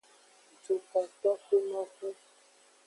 Dukotoxunoxu.